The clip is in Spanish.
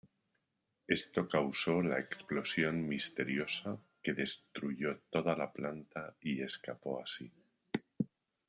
Esto causó la explosión "misteriosa que destruyó toda la planta y escapó así.